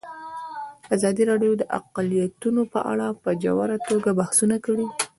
ازادي راډیو د اقلیتونه په اړه په ژوره توګه بحثونه کړي.